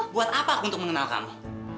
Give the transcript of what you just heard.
buat apa untuk mengenal kamu